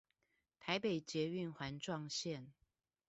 臺北捷運環狀線